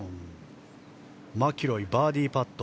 マキロイのバーディーパット。